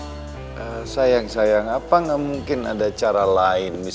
misalnya papi cari reva reva nanti dia ngajarin kita semua soalnya kan nanti dia bisa jadi jelek nilai matematika pi